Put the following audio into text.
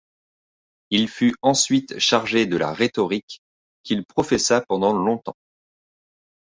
Il fut ensuite chargé de la rhétorique, qu’il professa pendant longtemps.